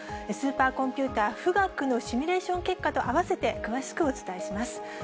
スーパーコンピューター富岳のシミュレーション結果と合わせて詳しくお伝えします。